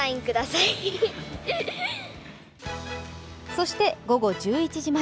そして午後１１時前。